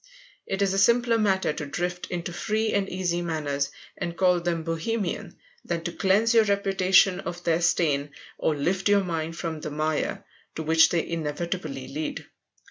It is a simpler matter to drift into free and easy manners and call them "bohemian" than to cleanse your reputation of their stain, or lift your mind from the mire to which they inevitably lead.